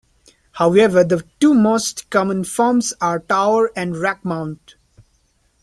However, the two most common forms are tower and rack-mount.